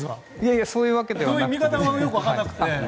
見方がよく分からなくて。